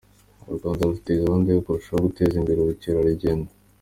U Rwanda rufite gahunda yo kurushaho guteza imbere ubukerarugendo.